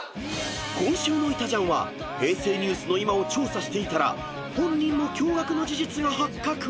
［今週の『いたジャン』は平成ニュースの今を調査していたら本人も驚愕の事実が発覚⁉］